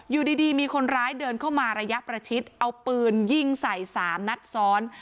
อยู่ดีมีคนร้ายเดินเข้ามาระยะประชิดเอาปืนยิงใส่๓นัดซ้อน